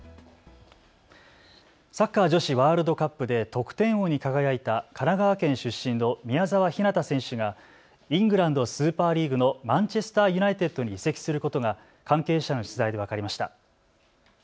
サッカー女子ワールドカップで得点王に輝いた神奈川県出身の宮澤ひなた選手がイングランドスーパーリーグのマンチェスターユナイテッドに移籍することが関係者への取材で分かりました。